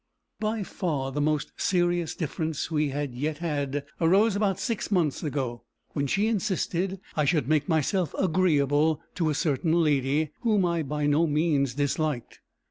By far the most serious difference we had yet had, arose about six months ago, when she insisted I should make myself agreeable to a certain lady, whom I by no means disliked.